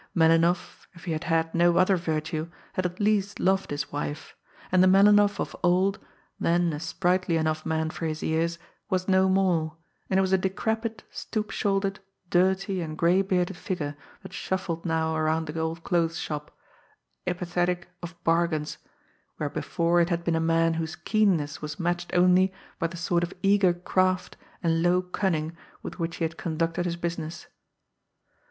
Melinoff, if he had had no other virtue, had at least loved his wife, and the Melinoff of old, then a sprightly enough man for his years, was no more, and it was a decrepit, stoop shouldered, dirty and grey bearded figure that shuffled now around the old clothes shop, apathetic of "bargains," where before it had been a man whose keenness was matched only by the sort of eager craft and low cunning with which he had conducted his business.